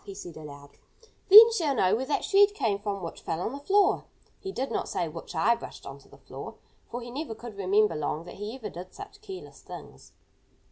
he said aloud. "Then she'll know where that shred came from which fell on the floor." He did not say "which I brushed onto the floor," for he never could remember long that he ever did such careless things.